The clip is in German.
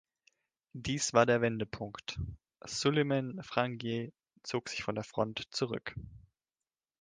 Dies war der Wendepunkt; Suleiman Frangieh zog sich von der Front zurück.